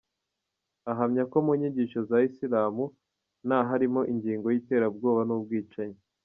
Ahamya ko mu nyigisho za Isilamu nta harimo ingingo y’iterabwoba n’ubwicanyi.